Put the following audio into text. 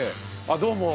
あどうも。